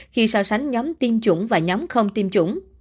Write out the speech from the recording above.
khi so sánh nhóm tiêm chủng và nhóm không tiêm chủng